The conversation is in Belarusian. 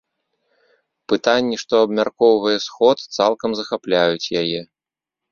Пытанні, што абмяркоўвае сход, цалкам захапляюць яе.